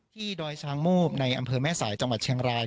ดอยช้างมูบในอำเภอแม่สายจังหวัดเชียงราย